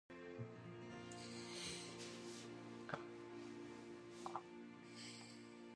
The airport handles only small turboprop aircraft or helicopters.